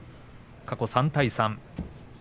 過去３対３。